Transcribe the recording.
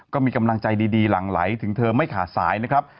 ก็มีกำลังใจดีหลั่งไหลถึงเธอไม่ขาดสายนะครับ